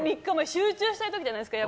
集中したい時じゃないですか。